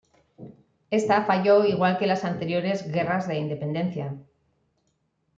Esta falló igual que las anteriores guerras de independencia.